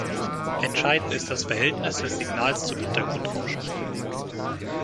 Entscheidend ist das Verhältnis des Signals zum Hintergrundrauschen.